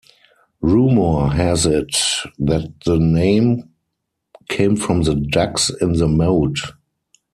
Rumour has it that the name came from the ducks in the moat.